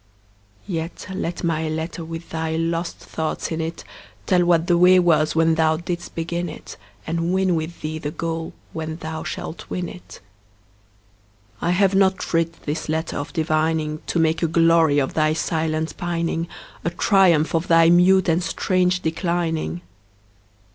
Yet let my letter with thy lost thoughts in it Tell what the way was when thou didst begin it, And win with thee the goal when thou shalt win it. I have not writ this letter of divining To make a glory of thy silent pining, A triumph of thy mute and strange declining.